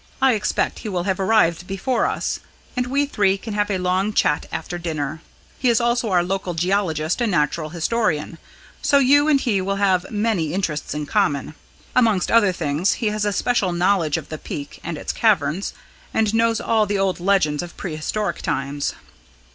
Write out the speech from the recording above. I expect he will have arrived before us, and we three can have a long chat after dinner. He is also our local geologist and natural historian. So you and he will have many interests in common. Amongst other things he has a special knowledge of the Peak and its caverns, and knows all the old legends of prehistoric times."